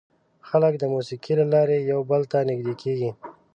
خلک د موسیقۍ له لارې یو بل ته نږدې کېږي.